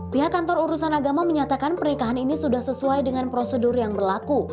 pihak kantor urusan agama menyatakan pernikahan ini sudah sesuai dengan prosedur yang berlaku